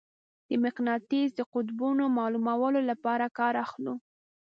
د مقناطیس د قطبونو معلومولو لپاره کار اخلو.